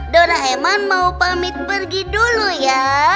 doraeman mau pamit pergi dulu ya